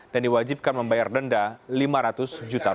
dan diwajibkan membayar denda rp lima ratus juta